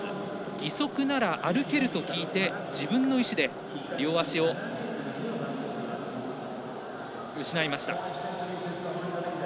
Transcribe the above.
義足なら歩けると聞いて自分の意思で両足を失いました。